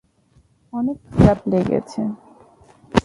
অনেক খারাপ লেগেছে।